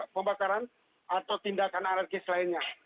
pembakaran atau tindakan anarkis lainnya